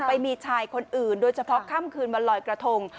ไปมีชายคนอื่นโดยเฉพาะค่ำคืนวันลอยกระทง